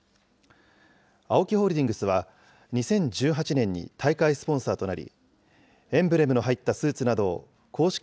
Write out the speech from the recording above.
ＡＯＫＩホールディングスは、２０１８年に大会スポンサーとなり、エンブレムの入ったスーツなどを公式